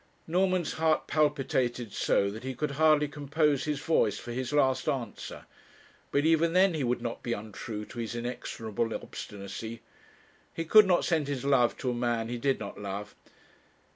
Norman's heart palpitated so that he could hardly compose his voice for his last answer; but even then he would not be untrue to his inexorable obstinacy; he could not send his love to a man he did not love.